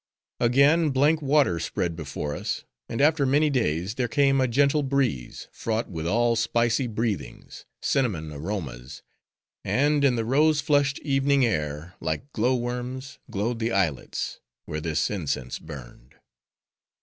Again blank water spread before us; and after many days, there came a gentle breeze, fraught with all spicy breathings; cinnamon aromas; and in the rose flushed evening air, like glow worms, glowed the islets, where this incense burned.